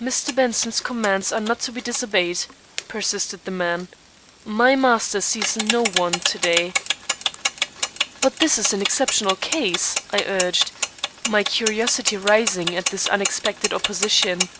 "Mr. Benson's commands are not to be disobeyed," persisted the man. "My master sees no one to day." "But this is an exceptional case," I urged, my curiosity rising at this unexpected opposition.